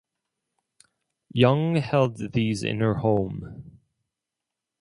Young held these in her home.